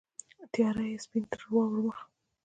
تیاره یې سپین تر واورو مخ